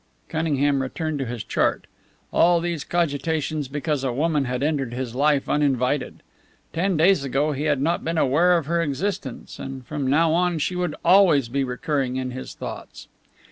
Cunningham returned to his chart. All these cogitations because a woman had entered his life uninvited! Ten days ago he had not been aware of her existence; and from now on she would be always recurring in his thoughts.